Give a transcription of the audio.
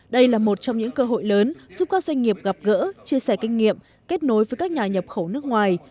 đây là một trong những cơ hội lớn giúp các doanh nghiệp gặp gỡ chia sẻ kinh nghiệm kết nối với các nhà nhập khẩu nước ngoài